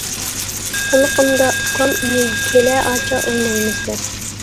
قۇلىقىمدا ئۇكام ئۈنى : «كېلە ئاچا ئوينايمىز» دەپ.